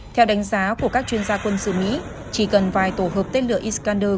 theo đánh giá của các chuyên gia quân sự mỹ chỉ cần vài tổ hợp tên lửa iskander